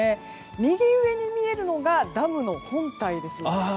右上に見えるのがダムの本体です。